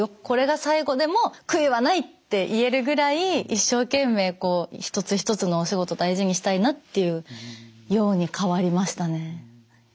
これが最後でも悔いはないって言えるぐらい一生懸命一つ一つのお仕事大事にしたいなっていうように変わりましたね。